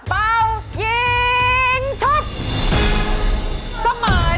เป้ายิงชุด